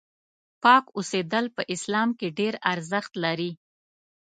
پاک اوسېدل په اسلام کې ډېر ارزښت لري.